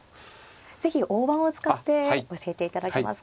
是非大盤を使って教えていただけますか。